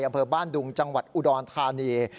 อำเภอบ้านดุงจังหวัดอุดรธานี